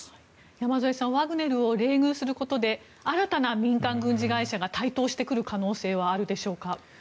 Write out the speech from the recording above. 山添さんワグネルを冷遇することで新たな民間軍事会社が台頭してくる可能性はあるでしょうか。